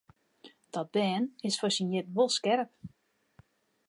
Dat bern is foar syn jierren wol skerp.